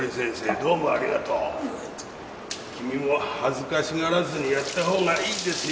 どうもありがとう君も恥ずかしがらずにやった方がいいですよ